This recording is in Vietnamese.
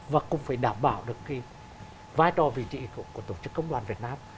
và cũng phải đảm bảo được cái vai trò vị trí của tổ chức công đoàn việt nam